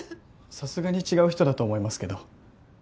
さすがに違う人だと思いますけど。